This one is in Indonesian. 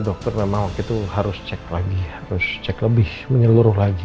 mereka bilang mama waktu itu harus cek lagi harus cek lebih menyeluruh lagi